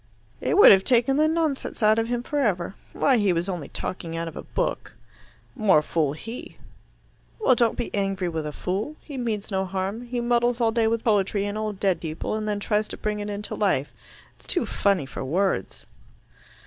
"It would have taken the nonsense out of him for ever. Why, he was only talking out of a book." "More fool he." "Well, don't be angry with a fool. He means no harm. He muddles all day with poetry and old dead people, and then tries to bring it into life. It's too funny for words."